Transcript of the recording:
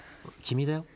「君だよ」